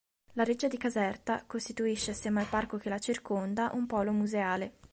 La reggia di Caserta, costituisce assieme al parco che la circonda un polo museale.